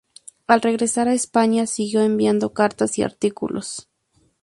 Al regresar a España, siguió enviando cartas y artículos.